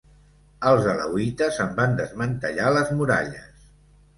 Els alauites en van desmantellar les muralles.